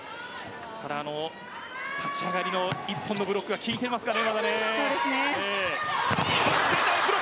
ただ、立ち上がりの１本のブロックが効いていますからね。